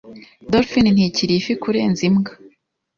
Dolphine ntikiri ifi kurenza imbwa.